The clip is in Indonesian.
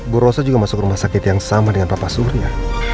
buru rasa juga masuk rumah sakit yang sama dengan papa surya